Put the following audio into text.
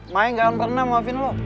mai gak pernah maafin lo